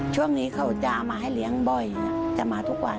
ช่วงนี้เขาจะมาให้เลี้ยงบ่อยจะมาทุกวัน